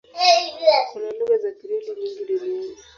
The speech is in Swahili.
Kuna lugha za Krioli nyingi duniani.